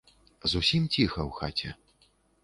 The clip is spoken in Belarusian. Зусім ціха ў хаце.